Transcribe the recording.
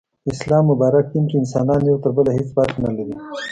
اسلام مبارک دين کي انسانان يو تر بله هيڅ فرق نلري